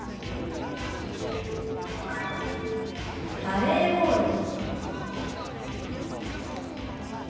「バレーボール」。